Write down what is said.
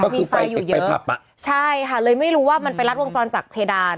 มีไฟอยู่เยอะใช่ค่ะเลยไม่รู้ว่ามันไปรัดวงจรจากเพดาน